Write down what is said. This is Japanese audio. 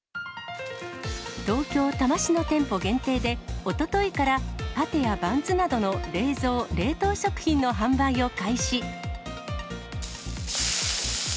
東京・多摩市の店舗限定で、おとといからパテやバンズなどの冷蔵・冷凍食品の販売を開始。